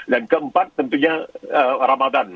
dan keempat tentunya ramadan